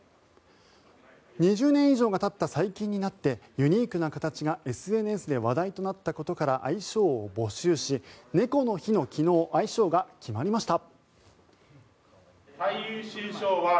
２０年以上がたった最近になってユニークな形がＳＮＳで話題となったことから愛称を募集し猫の日の昨日愛称が決まりました。